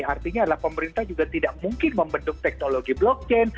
artinya adalah pemerintah juga tidak mungkin membentuk teknologi blockchain